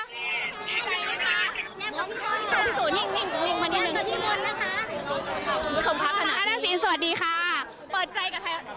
สวัสดีค่ะเปิดใจกับไทย